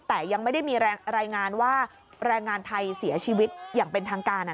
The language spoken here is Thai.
แต่ยังไม่ได้มีรายงานว่าแรงงานไทยเสียชีวิตอย่างเป็นทางการ